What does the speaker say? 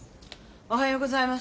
おはようございます。